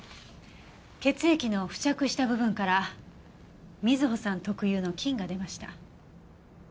血液の付着した部分から美津保さん特有の菌が出ました。